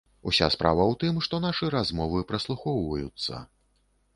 Уся справа ў тым, што нашы размовы праслухоўваюцца.